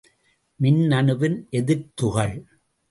மின்னணுவின் எதிர்த் துகள்.